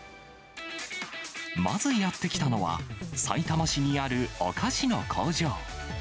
まずやって来たのは、さいたま市にあるお菓子の工場。